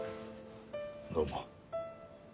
どうも。